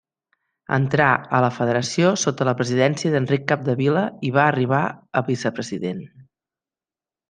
Entrà a la federació sota la presidència d'Enric Capdevila i va arribar a vicepresident.